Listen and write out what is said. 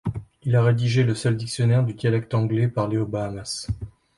Il a rédigé le seul dictionnaire du dialecte anglais parlé aux Bahamas.